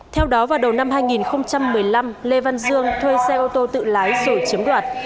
theo đó vào đầu năm hai nghìn một mươi năm lê văn dương thuê xe ô tô tự lái rồi chiếm đoạt